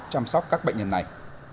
chăm sóc các bệnh nhân này